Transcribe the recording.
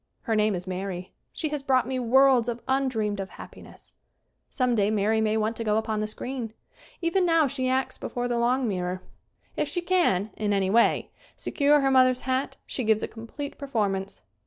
Her name is Mary. She has brought me worlds of undreamed of hap piness. SCREEN ACTING 129 Someday Mary may want to go upon the screen. Even now she acts before the long mirror. If she can, in any way, secure her mother's hat she gives a complete performance.